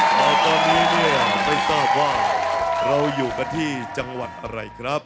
แต่ตอนนี้เนี่ยไม่ทราบว่าเราอยู่กันที่จังหวัดอะไรครับ